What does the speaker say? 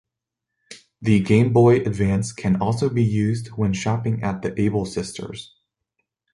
The Game Boy Advance can also be used when shopping at the Able Sisters.